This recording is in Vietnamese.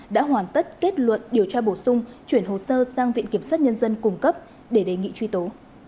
đã hoàn tất kết luận điều tra bổ sung chuyển hồ sơ sang viện kiểm sát nhân dân cung cấp để đề nghị truy tố